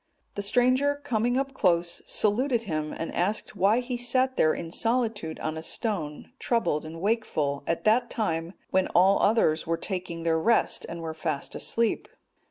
The stranger coming close up, saluted him, and asked why he sat there in solitude on a stone troubled and wakeful at that time, when all others were taking their rest, and were fast asleep.